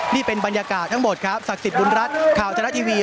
นี่เป็นบรรยากาศทั้งหมดครับศักดิ์สิทธิบุญรัฐข่าวทะละทีวี